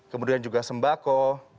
kemudian juga sembako